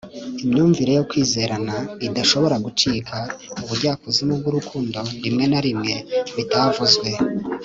imyumvire yo kwizerana idashobora gucika, ubujyakuzimu bwurukundo rimwe na rimwe bitavuzwe